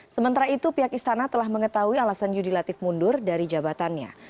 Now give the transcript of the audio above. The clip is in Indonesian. sementara itu pihak istana telah mengetahui alasan yudi latif mundur dari jabatannya